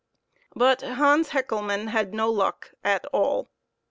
But Hans Hecklemann had no luck at all.